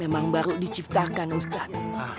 memang baru diciptakan ustadz